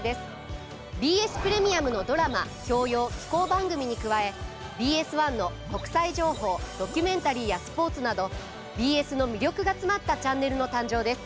ＢＳプレミアムのドラマ教養紀行番組に加えＢＳ１の国際情報ドキュメンタリーやスポーツなどＢＳの魅力が詰まったチャンネルの誕生です。